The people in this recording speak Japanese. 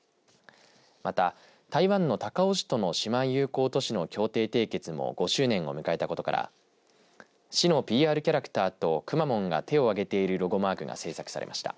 また、台湾の高雄市との姉妹友好都市の協定締結も５周年を迎えたことから市のＰＲキャラクターとくまモンが手を上げているロゴマークが制作されました。